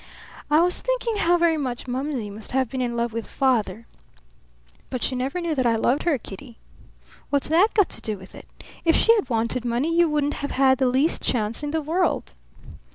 "I was thinking how very much mumsy must have been in love with father." "But she never knew that I loved her, Kitty." "What's that got to do with it? If she had wanted money you wouldn't have had the least chance in the world."